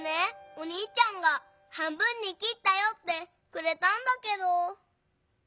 おにいちゃんが「半分にきったよ」ってくれたんだけど。